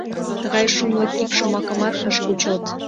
Тыгай шумлык ик шомакымат ыш кучылт.